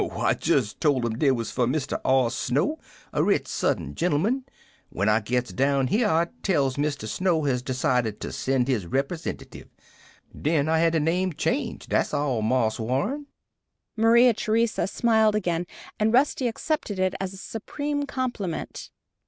"Oh, I jest told 'em dey was for Mr. R. Snow, a rich Southern gentleman. When I gits down here, I tells Mr. Snow has decided to send his repersentative! Den I had de name changed dat's all, Marse Warren." Maria Theresa smiled again, and Rusty accepted it as a supreme compliment.